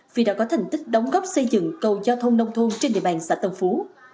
vì đã có thành tích đóng góp xây dựng cầu giao thông nông thôn trên địa bàn xã tân phú